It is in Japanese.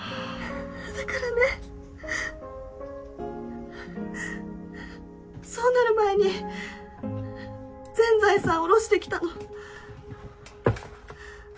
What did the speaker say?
だからねそうなる前に全財産おろしてきたの。